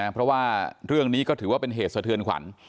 เพราะว่าเรื่องนี้ก็ถือว่าเป็นเหตุสะเทือนขวัญ